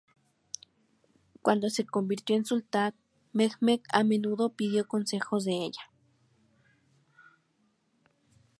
Cuando se convirtió en sultán Mehmed, a menudo pidió consejos de ella.